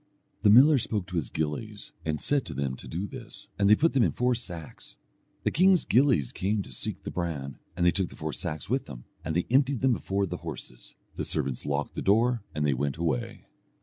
The miller spoke to his gillies, and he said to them to do this, and they put them in four sacks. The king's gillies came to seek the bran, and they took the four sacks with them, and they emptied them before the horses. The servants locked the door, and they went away.